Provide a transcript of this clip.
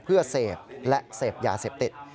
เพื่อเสพและเสพยาเสพติด